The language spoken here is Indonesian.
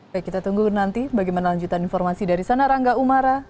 baik kita tunggu nanti bagaimana lanjutan informasi dari sana rangga umara